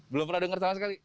belum pernah dengar sama sekali